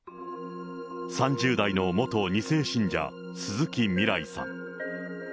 ３０代の元２世信者、鈴木みらいさん。